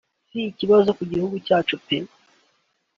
si ikibazo ku gihugu cyacu pe